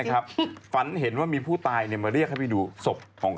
กลัวว่าผมจะต้องไปพูดให้ปากคำกับตำรวจยังไง